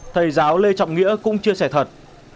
thầy giáo lê trọng nghĩa cũng chia sẻ thật